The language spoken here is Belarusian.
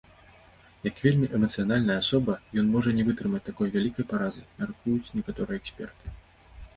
Як вельмі эмацыянальная асоба, ён можа не вытрымаць такой вялікай паразы, мяркуюць некаторыя эксперты.